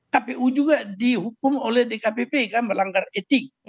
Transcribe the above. kpu juga dihukum oleh dkpp kan melanggar etik